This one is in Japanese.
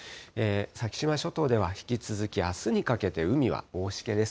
先島諸島では引き続き、あすにかけて海は大しけです。